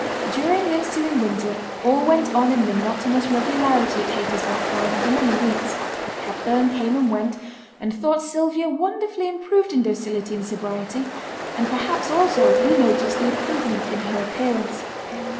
During the ensuing winter, all went on in monotonous regularity at Haytersbank Farm for many weeks. Hepburn came and went, and thought Sylvia wonderfully improved in docility and sobriety; and perhaps also he noticed the improvement in her appearance.